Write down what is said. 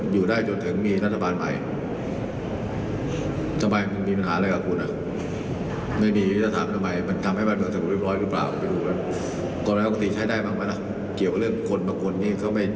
อยากให้เป็นเมืองไม่สะกดหรือไง